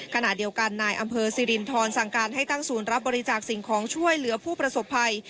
ขณะเดียวกันนายอำเภอสิรินทรสั่งการให้ตั้งศูนย์รับบริจาคสิ่งของช่วยเหลือผู้ประสบภัย